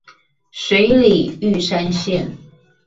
水里玉山線